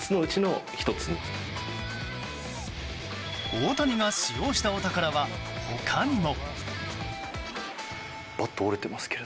大谷が使用したお宝は、他にも。